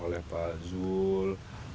oleh pak zul